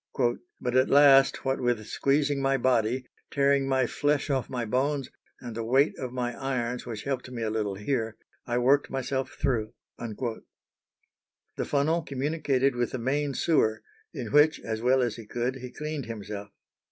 "But at last, what with squeezing my body, tearing my flesh off my bones, and the weight of my irons, which helped me a little here, I worked myself through." The funnel communicated with the main sewer, in which, as well as he could, he cleaned himself.